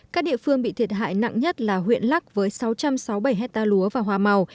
các địa phương bị thiệt hại nặng nhất là huyện lắc với sáu trăm sáu mươi bảy hectare lúa và hoa màu